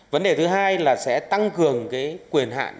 vấn đề thứ hai là sẽ tăng cường cái quyền hạn